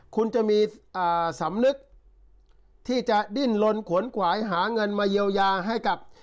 คุณจะมีสำนึกที่จะดิ้นลนขนขวายหาเงินมาเยียวยาให้กับ